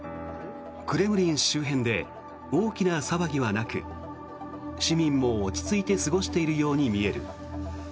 クレムリン周辺で大きな騒ぎはなく市民も落ち着いて過ごしているように見える。